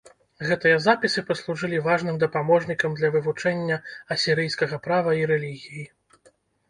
Гэтыя запісы паслужылі важным дапаможнікам для вывучэння асірыйскага права і рэлігіі.